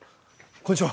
こんにちは。